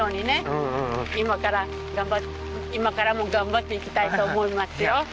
今から今からも頑張っていきたいと思いますよ。